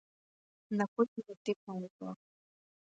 На кој би му текнало тоа?